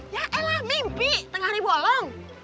ya elah mimpi tengah hari bolong